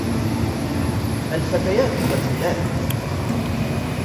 الفتيات خجولات.